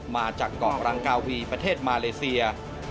มาจากเกาะรังกาวีประเทศมาเลเซีย